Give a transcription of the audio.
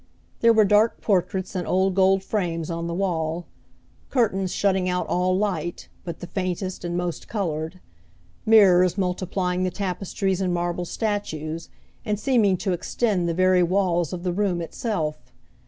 There were dark portraits in old gold frames on the wall; curtains shutting out all light, but the faintest and most colored; mirrors multiplying the tapestries and marble statues, and seeming to extend the very walls of the room itself.